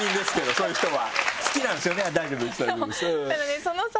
そういう人は。